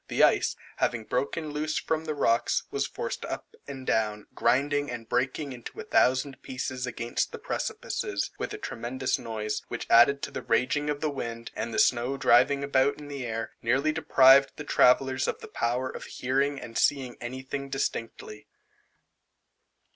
The ice, having broken loose from the rocks, was forced up and down, grinding and breaking into a thousand pieces against the precipices, with a tremendous noise, which, added to the raging of the wind, and the snow driving about in the air, nearly deprived the travellers of the power of hearing and seeing any thing distinctly.